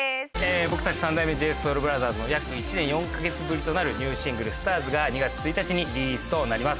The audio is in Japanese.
僕たち三代目ＪＳＯＵＬＢＲＯＴＨＥＲＳの約１年４か月ぶりとなるニューシングル『ＳＴＡＲＳ』が２月１日にリリースとなります。